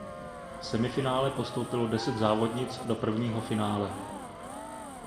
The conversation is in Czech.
V Semifinále postoupilo deset závodnic do prvního finále.